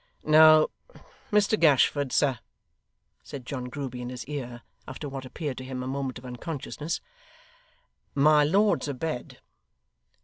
'Now, Mr Gashford sir,' said John Grueby in his ear, after what appeared to him a moment of unconsciousness; 'my lord's abed.